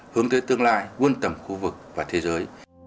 hướng tới tương lai buôn tầm khu vực và thế giới